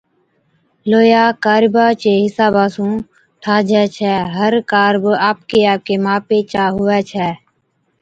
لوئِيا ڪاربا چي حِصابا سُون ٺاهجَي ڇَي۔ هر ڪارب آپڪِي آپڪِي ماپِي چا هُوَي ڇَي۔